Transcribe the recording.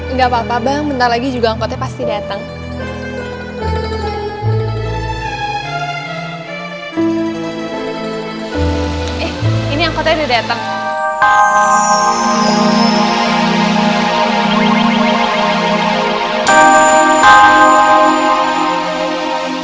nggak papa bang bentar lagi juga angkotnya pasti dateng